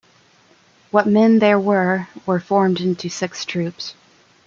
What men there were, were formed into six troops.